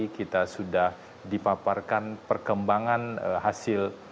kita sudah dipaparkan perkembangan hasil